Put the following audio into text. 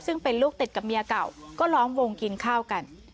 ซึ่งเป็นลูกติดกับเมียเก่าก็ล้อมวงกินข้าวกัน